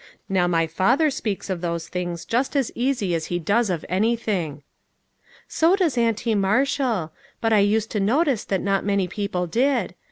Now my father speaks of those things just as easy as he does of anything." " So does Auntie Marshall ; but I used to no tice that not many people did.